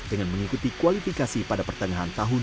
dengan mengikuti kualifikasi pada pertengahan tahun dua ribu dua puluh